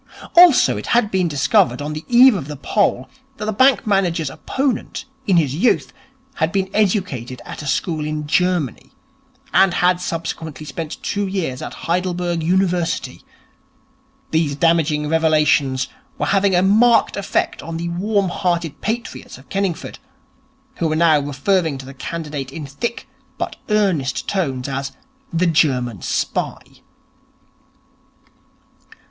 Also it had been discovered, on the eve of the poll, that the bank manager's opponent, in his youth, had been educated at a school in Germany, and had subsequently spent two years at Heidelberg University. These damaging revelations were having a marked effect on the warm hearted patriots of Kenningford, who were now referring to the candidate in thick but earnest tones as 'the German Spy'.